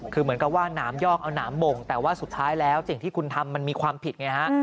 คือเหมือนกับว่าหนามยอกเอาหนามบ่งแต่ว่าสุดท้ายแล้วสิ่งที่คุณทำมันมีความผิดไงฮะ